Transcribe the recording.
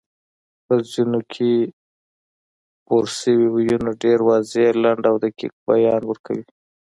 په ځینو کې پورشوي ویونه ډېر واضح، لنډ او دقیق بیان ورکوي